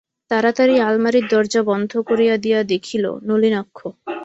তাড়াতাড়ি আলমারির দরজা বন্ধ করিয়া দিয়া দেখিল, নলিনাক্ষ।